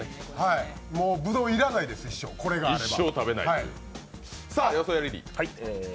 ぶどう要らないです、一生、これがあれば。